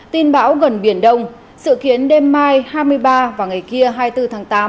tin bão gần biển đông sự kiến đêm mai hai mươi ba và ngày kia hai mươi bốn tháng tám